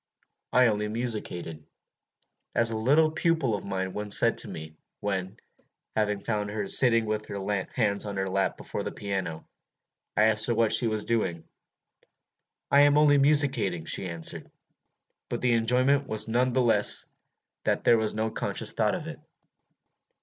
I only musicated, as a little pupil of mine once said to me, when, having found her sitting with her hands on her lap before the piano, I asked her what she was doing: 'I am only musicating,' she answered. But the enjoyment was none the less that there was no conscious thought in it.